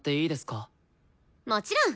もちろん。